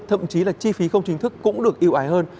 thậm chí là chi phí không chính thức cũng được yêu ái hơn